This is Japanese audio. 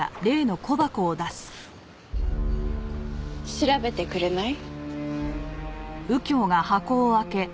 調べてくれない？